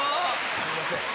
すいません。